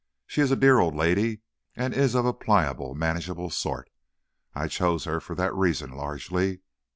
She is a dear old lady, and is of a pliable, manageable sort. I chose her for that reason, largely.